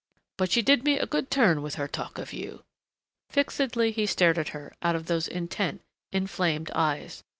but she did me a good turn with her talk of you!" Fixedly he stared at her, out of those intent, inflamed eyes.